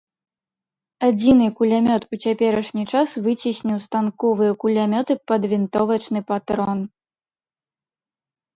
Адзіны кулямёт ў цяперашні час выцесніў станковыя кулямёты пад вінтовачны патрон.